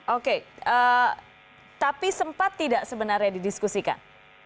oke tapi sempat tidak sebenarnya didiskusikan